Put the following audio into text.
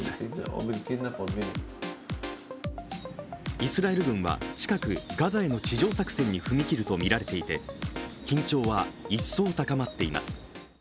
イスラエル軍は近く、ガザへの地上作戦に踏み切るとみられていて緊張は一層高まっています。